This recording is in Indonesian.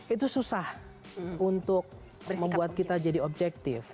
itu susah untuk membuat kita jadi objektif